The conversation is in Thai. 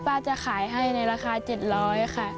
จะขายให้ในราคา๗๐๐ค่ะ